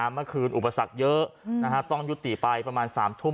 อุปสรรคเยอะต้องยุติไปประมาณ๓ทุ่ม